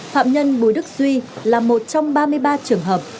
phạm nhân bùi đức duy là một trong ba mươi ba trường hợp